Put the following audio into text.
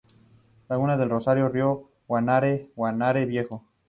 Laguna del Rosado: Rio Guanare-Guanare Viejo.